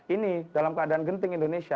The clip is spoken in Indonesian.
ini dalam keadaan genting indonesia